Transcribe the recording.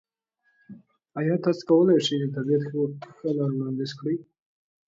ایا تاسو کولی شئ د طبیعت ښه لار وړاندیز کړئ؟